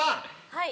はい。